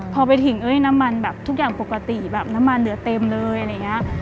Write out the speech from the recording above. พอไปถึงน้ำมันแบบทุกอย่างปกติแบบน้ำมันเหลือเต็มเลยอะไรอย่างนี้